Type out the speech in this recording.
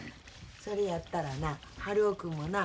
それやったらな春男君もな